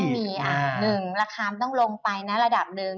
ก็ต้องมีอันหนึ่งราคาต้องลงไปนะระดับหนึ่ง